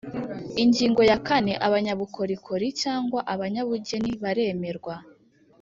Ingingo ya kane Abanyabukorikori cyangwa abanyabugeni baremerwa